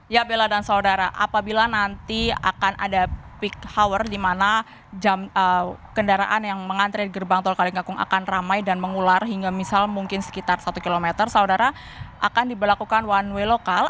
ya bella dan saudara apabila nanti akan ada peak hour di mana kendaraan yang mengantri di gerbang tol kalinggakung akan ramai dan mengular hingga misal mungkin sekitar satu km saudara akan diberlakukan one way lokal